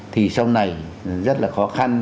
thì sau này rất là khó khăn